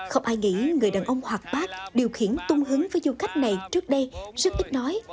không ai nghĩ người đàn ông hoạt bác điều khiển tung hướng với du khách này trước đây rất ít nói